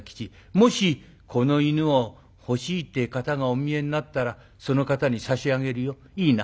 もしこの犬を欲しいって方がお見えになったらその方に差し上げるよいいな？